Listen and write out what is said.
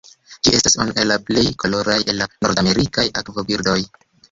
Ĝi estas unu el la plej koloraj el la nordamerikaj akvobirdoj.